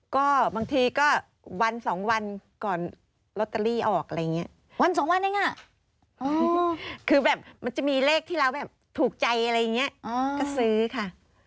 ก็บางทีก็วันสองวันก่อนลอตเตอรี่ออกอะไรอย่างนี้วันสองวันเองอ่ะคือแบบมันจะมีเลขที่เราแบบถูกใจอะไรอย่างนี้ก็ซื้อค่ะ